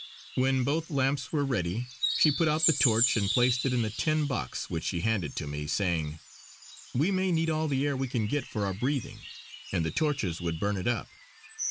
When both lamps were ready, she put out the torch and placed it in the tin box which she handed to me, saying: "We may need all the air we can get for our breathing, and the torches would burn it up.